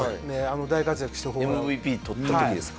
大活躍したＭＶＰ取った時ですか？